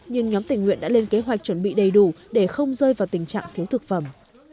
nhưng nhóm tỉnh nguyện đã lên kế hoạch chuẩn bị đầy đủ để không rơi vào tình trạng thiếu thực phẩm